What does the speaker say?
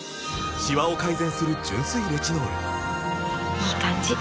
いい感じ！